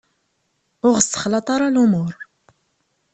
Ur aɣ-ssexlaḍ ara lumuṛ!